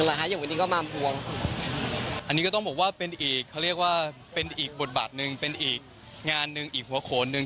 อันนี้ก็ต้องบอกว่าเป็นอีกเขาเรียกว่าเป็นอีกบทบาทนึงเป็นอีกงานนึงอีกหัวโขนนึง